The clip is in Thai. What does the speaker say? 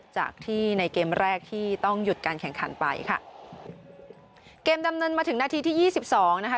จากที่ในเกมแรกที่ต้องหยุดการแข่งขันไปค่ะเกมดำเนินมาถึงนาทีที่ยี่สิบสองนะคะ